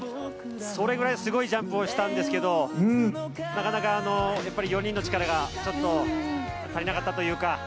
それくらいすごいジャンプをしたんですけどなかなか、４人の力が足りなかったというか。